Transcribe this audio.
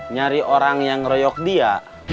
nyari orang yang ngeroyok dia